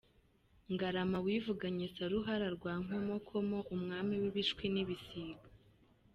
Ngarama wivuganye Saruhara rwa Nkomokomo, Umwami w’Ibishwi n’ibisiga.